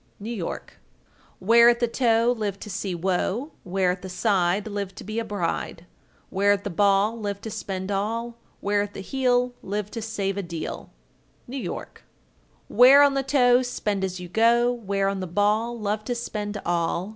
New York. 1399. Wear at the toe, live to see woe; Wear at the side, live to be a bride; Wear at the ball, live to spend all; Wear at the heel, live to save a deal. New York. 1400. Wear on the toe, Spend as you go; Wear on the ball, Love to spend all.